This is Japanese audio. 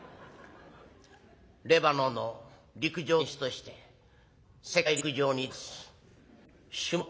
レバノンの陸上選手として世界陸上に出ます。